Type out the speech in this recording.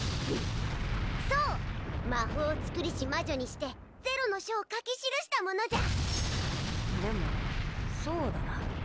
そう魔法をつくりし魔女にしてゼロの書を書き記した者じゃでもそうだな